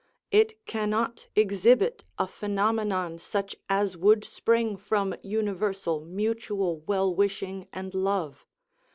It cannot exhibit a phenomenon such as would spring from universal mutual well wishing and love.